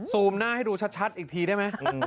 หน้าให้ดูชัดอีกทีได้ไหม